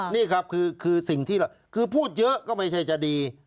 นี่ครับคือพูดเยอะก็ไม่ใช่จะดี